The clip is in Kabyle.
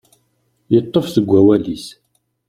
Yeṭṭef deg wawal-is.